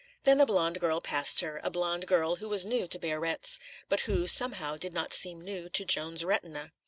Then a blonde girl passed her, a blonde girl who was new to Biarritz, but who, somehow, did not seem new to Joan's retina.